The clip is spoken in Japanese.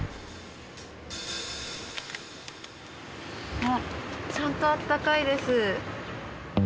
あっちゃんと温かいです。